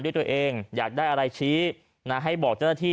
ด้วยตัวเองอยากได้อะไรชี้นะให้บอกเจ้าหน้าที่